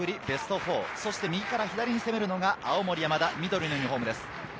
ベスト４、そして右から左に攻めるのが青森山田、緑のユニホームです。